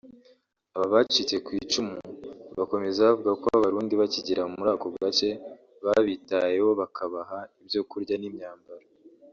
Aba bacitse ku icumu bakomeza bavuga ko Abarundi bakigera muri aka gace babitayeho bakabaha ibyo kurya n’imyambaro